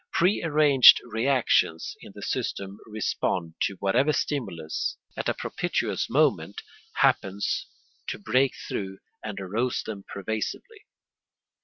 Pre arranged reactions in the system respond to whatever stimulus, at a propitious moment, happens to break through and arouse them pervasively.